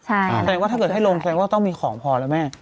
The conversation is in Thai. ท่านแหล่งว่าถ้าให้ลงแทนว่าต้องมีของพอเหรอแม่